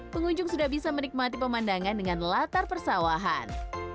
pengunjung sudah bisa menikmati pemandangan dengan latar persawahan